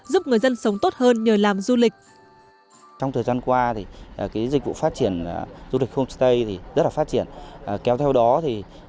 giúp người dân sống tốt hơn nhờ làm du lịch